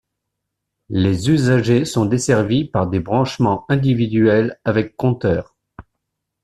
Les usagers sont desservis par des branchements individuels avec compteurs.